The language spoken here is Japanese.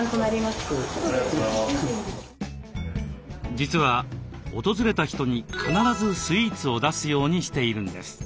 実は訪れた人に必ずスイーツを出すようにしているんです。